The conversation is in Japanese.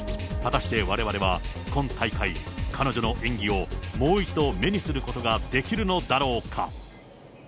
果たしてわれわれは、今大会、彼女の演技をもう一度、目にすることができるのだろうか。